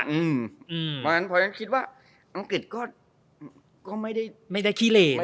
เพราะงั้นพอยังคิดว่าอังกฤษก็ไม่ได้ขี้เฬย